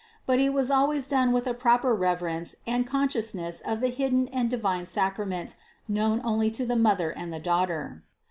But it was always done with a proper reverence and consciousness of the hidden and divine sacrament known only to the mother and Daughter.